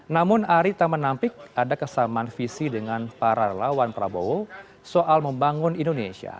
namun ari tak menampik ada kesamaan visi dengan para relawan prabowo soal membangun indonesia